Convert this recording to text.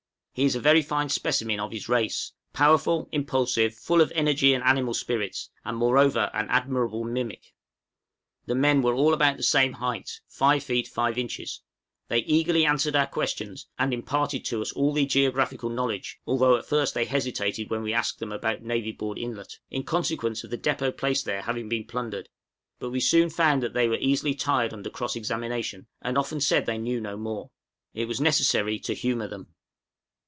He is a very fine specimen of his race, powerful, impulsive, full of energy and animal spirits, and moreover an admirable mimic. The men were all about the same height, 5 feet 5 in.; they eagerly answered our questions, and imparted to us all the geographical knowledge, although at first they hesitated when we asked them about Navy Board Inlet, in consequence of the depôt placed there having been plundered; but we soon found that they were easily tired under cross examination, and often said they knew no more; it was necessary to humor them.